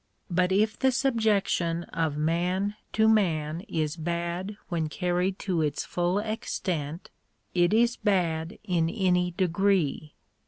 But if the sub jection of man to man is bad when carried to its full extent, it is bad in any degree.